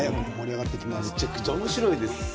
めちゃくちゃおもしろいです。